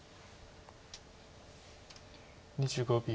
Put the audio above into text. ２５秒。